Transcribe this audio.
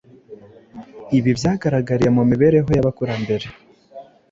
Ibi byagaragariye mu mibereho y’abakurambere.